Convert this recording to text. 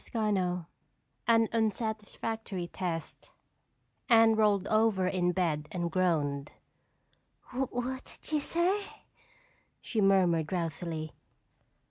CHAPTER X An Unsatisfactory Test Anne rolled over in bed and groaned. "What did you say?" she murmured drowsily.